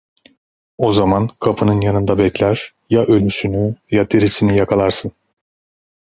O zaman kapının yanında bekler, ya ölüsünü, ya dirisini yakalarsın…